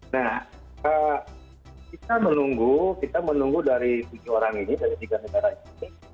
nah kita menunggu kita menunggu dari tujuh orang ini dari tiga negara ini